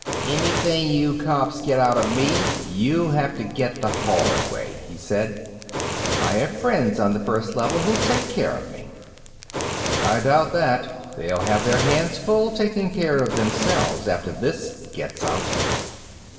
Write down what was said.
"Anything you cops get out of me, you'll have to get the hard way," he said. "I have friends on the First Level who'll take care of me." "I doubt that. They'll have their hands full taking care of themselves, after this gets out."